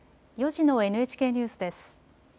４時のＮＨＫニュースです。